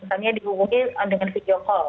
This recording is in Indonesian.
misalnya dihubungi dengan video call